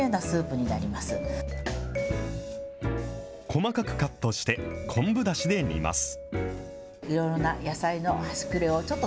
細かくカットして、昆布だしで煮ます。